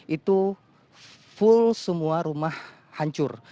itu full semua rumah hancur